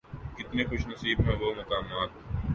کتنے خوش نصیب ہیں وہ مقامات